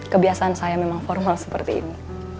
kebiasaan saya memang formal seperti ini